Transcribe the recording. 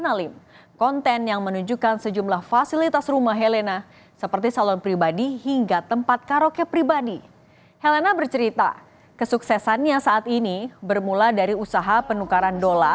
tapi aku rajin aku rajin tuh duduk di customer service rajin duduk di teller suka nyapa nyapa klien yang dateng